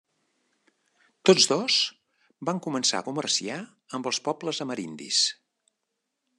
Tots dos van començar a comerciar amb els pobles amerindis.